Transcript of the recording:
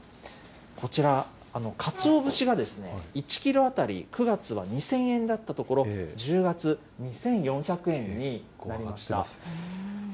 こちら、かつお節が１キロ当たり９月は２０００円だったところ、１０月、２４００円になりました。